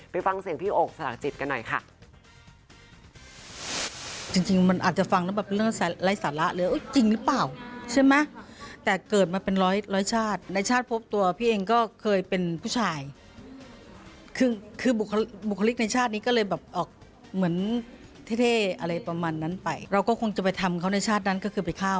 ไปฟังเสียงพี่โอ่งสลักจิตกันหน่อยค่ะ